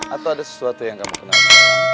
atau ada sesuatu yang kamu kenal